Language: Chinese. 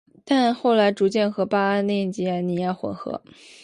但后来逐渐跟巴布亚新几内亚融合。